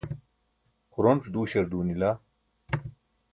xuronc̣ duuśar duunila